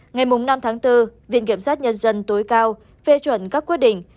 ngày năm tháng bốn viện kiểm sát nhân dân tối cao phê chuẩn các quyết định